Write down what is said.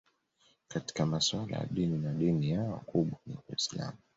Katika masuala ya dini na dini yao kubwa ni Uislamu